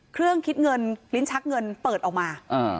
เครื่องคิดเงินลิ้นชักเงินเปิดออกมา